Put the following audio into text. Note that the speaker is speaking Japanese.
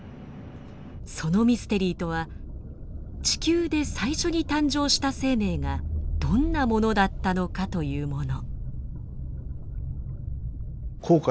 そのミステリーとは地球で最初に誕生した生命がどんなものだったのかというもの。